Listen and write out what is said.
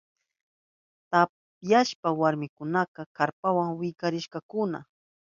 Tamyashpan warmikunaka karpawa wichkarishkakuna.